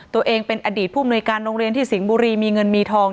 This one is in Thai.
ตัวเองเป็นอดีตผู้มนุยการโรงเรียนที่สิงห์บุรีมีเงินมีทอง